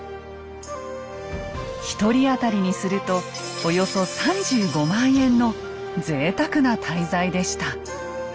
１人当たりにするとおよそ３５万円のぜいたくな滞在でした。